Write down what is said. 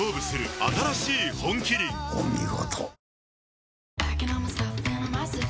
お見事。